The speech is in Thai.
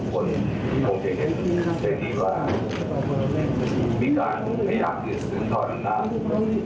ผมจะเห็นเป็นดีว่าพิการไม่อยากถือสินต้อนรำนาบ